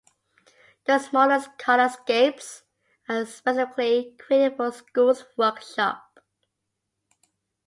The smallest Colourscapes are specifically created for schools workshops.